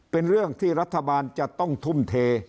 เป็นเรื่องที่รัฐบาลจะต้องทุ่มเท